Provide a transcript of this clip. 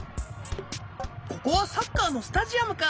ここはサッカーのスタジアムか。